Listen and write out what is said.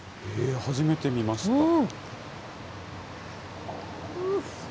初めて見ました。